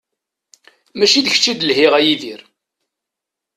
Mačči d kečč i d-lhiɣ a Yidir.